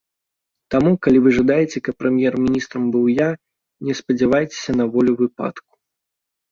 Таму, калі вы жадаеце, каб прэм'ер-міністрам быў я, не спадзявайцеся на волю выпадку.